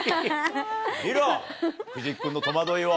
見ろ藤木君の戸惑いを。